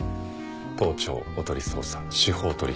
盗聴おとり捜査司法取引。